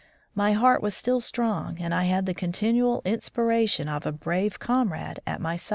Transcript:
My heart was still strong, and I had the continual inspiration of a brave comrade at my side.